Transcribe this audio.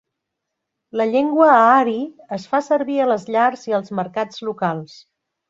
La llengua aari es fa servir a les llars i als mercats locals.